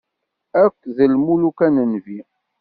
Akk d lmuluka d Nnbi.